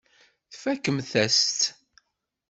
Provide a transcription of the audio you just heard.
Tfakemt-as-tt.